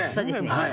はい。